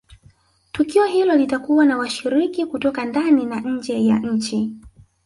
tukio hilo litakuwa na washiriki kutoka ndani na nje ya nchi